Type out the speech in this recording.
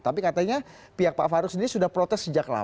tapi katanya pihak pak farouk sendiri sudah protes sejak tahun ini